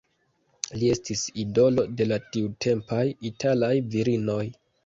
Li estis idolo de la tiutempaj italaj virinoj.